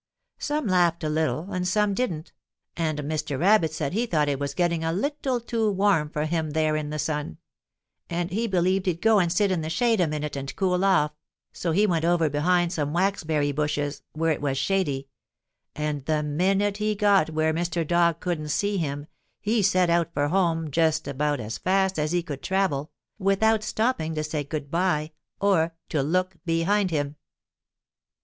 Some laughed a little and some didn't, and Mr. Rabbit said he thought it was getting a little too warm for him there in the sun, and he believed he'd go and sit in the shade a minute and cool off, so he went over behind some waxberry bushes, where it was shady, and the minute he got where Mr. Dog couldn't see him he set out for home just about as fast as he could travel, without stopping to say goodby or to look behind him.